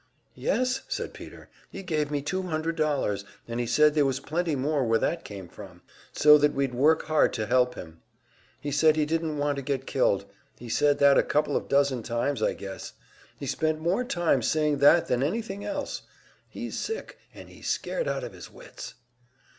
"Yes," said Peter, "he gave me two hundred dollars, and he said there was plenty more where that came from, so that we'd work hard to help him. He said he didn't want to get killed; he said that a couple of dozen times, I guess. He spent more time saying that than anything else. He's sick, and he's scared out of his wits."